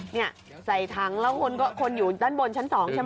นี่ใส่ถังแล้วคนอยู่ด้านบนชั้น๒ใช่ไหม